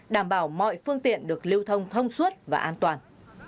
đảm bảo mọi phương tiện được lưu thông thông suốt và an toàn